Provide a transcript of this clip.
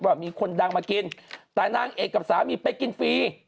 ว่ามีคนดังมากินแต่นางเอกกับสามีไปกินฟรี